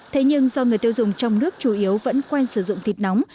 thế nhưng do người tiêu dùng trong nước chủ yếu vẫn quen sử dụng thịt nóng